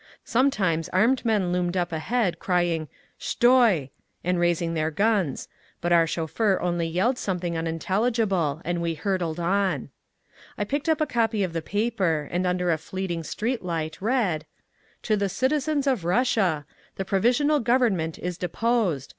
Sometimes armed men loomed up ahead, crying "Shtoi!" and raising their guns, but our chauffeur only yelled something unintelligible and we hurtled on…. I picked up a copy of the paper, and under a fleeting street light read: TO THE CITIZENS OF RUSSIA! The Provisional Government is deposed.